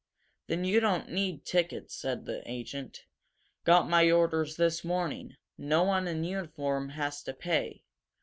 "Then you don't need tickets," said the agent. "Got my orders this morning. No one in uniform has to pay.